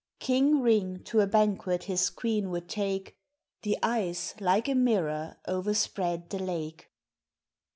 King Ring to a banquet his queen would take, The ice like a mirror o'erspread the lake.